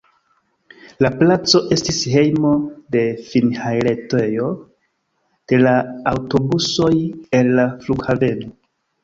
La placo estis hejmo de finhaltejo de la aŭtobusoj el la flughaveno.